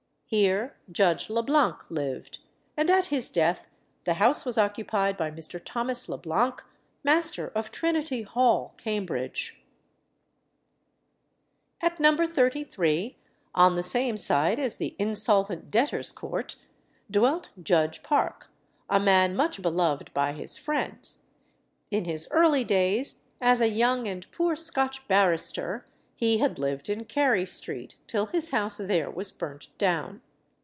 Here Judge Le Blanc lived, and at his death the house was occupied by Mr. Thomas Le Blanc, Master of Trinity Hall, Cambridge. At No. 33, on the same side as the Insolvent Debtors' Court, dwelt Judge Park, a man much beloved by his friends; in his early days, as a young and poor Scotch barrister, he had lived in Carey Street till his house there was burnt down.